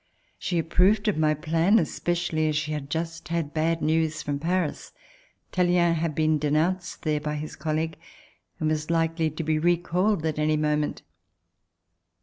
She approved of my plan, especially as she had just had bad news from Paris. Tallien had been denounced there by his colleague and was likely to be recalled at any moment.